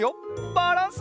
バランス！